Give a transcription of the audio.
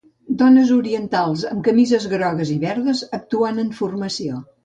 Dones orientals amb camises grogues i verdes actuant en formació.